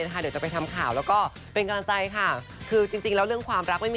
ก็อย่าน้ำตาไหล่ด้วยกันคุณเจอร์ลี่